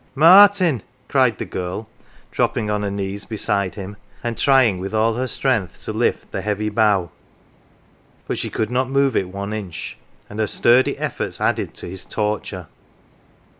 "Martin!' 1 cried the girl, dropping on her knees be side him and trying with all her strength to lift the heavy bough. But she could not move it one inch, and her sturdy efforts added to his torture.